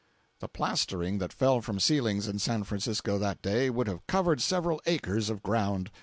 425 (40K) The plastering that fell from ceilings in San Francisco that day, would have covered several acres of ground.